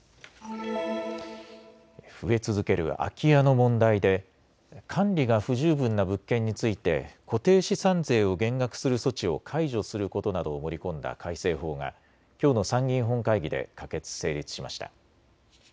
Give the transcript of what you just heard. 増え続ける空き家の問題で管理が不十分な物件について固定資産税を減額する措置を解除することなどを盛り込んだ改正法がきょうの参議院本会議で可決・成立しました。